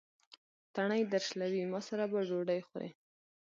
تڼۍ درشلوي: ما سره به ډوډۍ خورې.